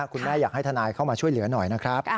อยากให้ทนายเข้ามาช่วยเหลือหน่อยนะครับ